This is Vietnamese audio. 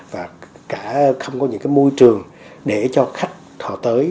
và cả không có những cái môi trường để cho khách họ tới